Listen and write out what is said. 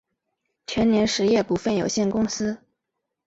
全联实业股份有限公司